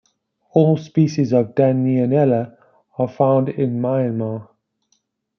All species of "Danionella" are found in Myanmar.